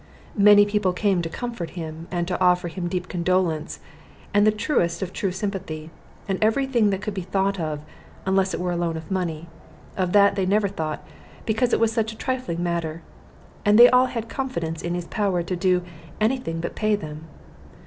Many people came to comfort him, and to offer him deep condolence and the truest of true sympathy, and every thing that could be thought of, unless it were a loan of money. Of that they never thought, because it was such a trifling matter; and they all had confidence in his power to do any thing but pay them.